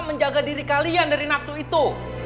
menjaga diri kalian dari nafsu itu